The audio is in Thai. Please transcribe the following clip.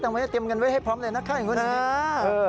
เตรียมเงินไว้ให้พร้อมเลยนะครับอย่างนี้